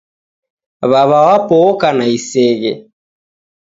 W'aw'a wapo oka na iseghe